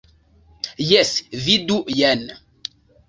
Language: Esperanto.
Jes, vidu jen.